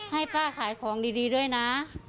ให้ป้าขายของดีด้วยนะ